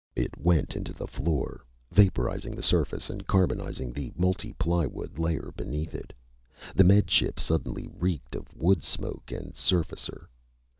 It went into the floor, vaporizing the surface and carbonizing the multi ply wood layer beneath it. The Med Ship suddenly reeked of wood smoke and surfacer.